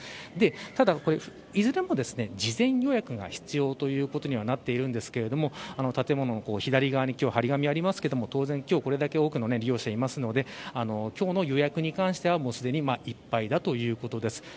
ただ、いずれも事前予約が必要ということにはなっていますが建物の左側に張り紙がありますが今日はこれだけ多くの利用者がいますので今日の予約に関しては、すでにいっぱいだということです。